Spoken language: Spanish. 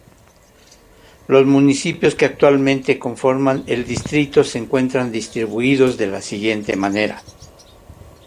Los municipios que actualmente conforman el distrito se encontraban distribuidos de la siguiente manera.